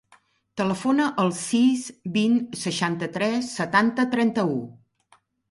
Telefona al sis, vint, seixanta-tres, setanta, trenta-u.